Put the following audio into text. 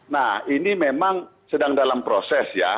nah ini memang sedang dalam proses ya